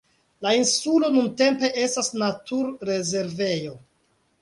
La insulo nuntempe estas naturrezervejo.